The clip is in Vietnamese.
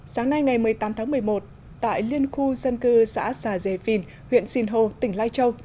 sáng nay ngày một mươi tám tháng một mươi một tại liên khu dân cư xã xà dê phìn huyện sinh hồ tỉnh lai châu